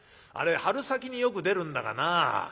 あれ春先によく出るんだがな。